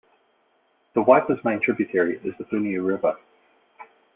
The Waipa's main tributary is the Puniu River.